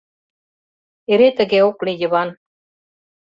Эре тыге ок лий, Йыван...